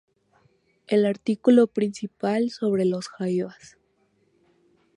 El artículo principal sobre Los Jaivas.